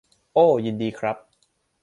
โอ้ ยินดีครับ